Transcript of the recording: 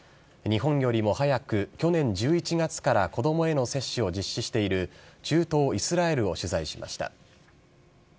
日本よりも早く去年１１月から子どもへの接種を実施している中東イスラエルを取材しました。